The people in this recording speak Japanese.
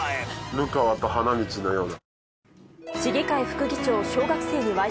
流川と花道のような。